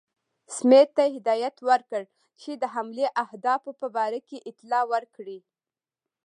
سمیت ته هدایت ورکړ چې د حملې اهدافو په باره کې اطلاع ورکړي.